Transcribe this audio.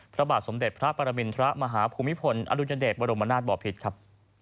พระบาทสมเด็จพระปรมินทรมาฮภูมิพลอดุญเดชบรมนาศบอพิษครับ